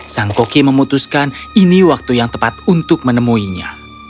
sang koki memutuskan ini waktu yang tepat untuk menemuinya